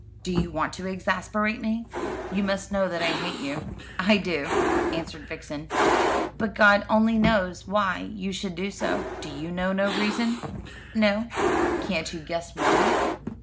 "Do you want to exasperate me? You must know that I hate you." "I do," answered Vixen; "but God only knows why you should do so." "Do you know no reason?" "No." "Can't you guess one?"